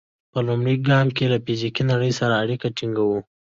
په لومړي ګام کې له فزیکي نړۍ سره اړیکه ټینګوو.